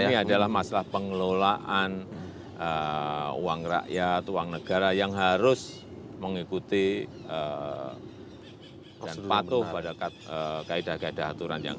ini adalah masalah pengelolaan uang rakyat uang negara yang harus mengikuti dan patuh pada kaedah kaedah aturan yang